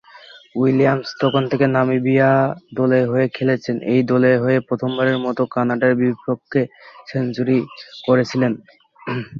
Williams তখন থেকে Namibia এ দলের হয়ে খেলেছেন, এই দলের হয়ে প্রথমবারের মতো কানাডার বিপক্ষে সেঞ্চুরি করেছিলেন।